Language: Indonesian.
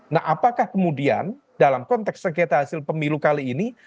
nah apakah kemudian dalam konteks sengketa hasil pemilu kali ini